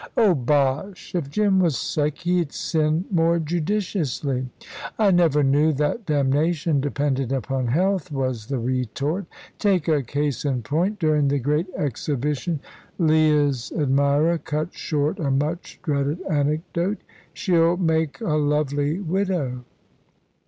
"Oh, bosh! If Jim was sick, he'd sin more judiciously." "I never knew that damnation depended upon health," was the retort. "Take a case in point. During the Great Exhibition " Leah's admirer cut short a much dreaded anecdote. "She'll make a lovely widow."